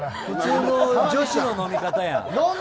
普通の女子の飲み方や。